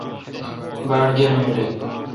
باڑ گرمی بیل۔